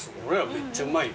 めっちゃうまい。